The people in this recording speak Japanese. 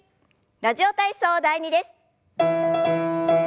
「ラジオ体操第２」です。